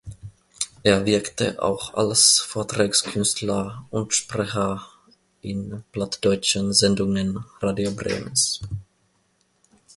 Er wirkte auch als Vortragskünstler und Sprecher in plattdeutschen Sendungen Radio Bremens.